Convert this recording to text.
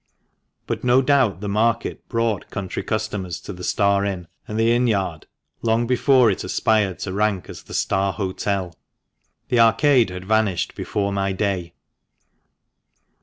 But no doubt the market brought country customers to the " Star Inn " and the inn yard, long before it aspired to rank as the " Star Hotel." The Arcade had vanished before my day.